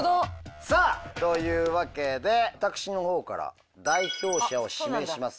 さあというわけで私の方から代表者を指名します。